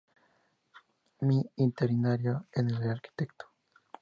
Mi itinerario con el arquitecto".